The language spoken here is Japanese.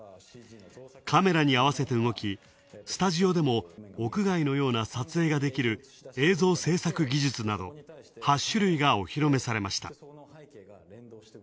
カメラに合わせて動き、スタジオでも屋外のような撮影ができる映像製作技術など、８種類がお披露目されました。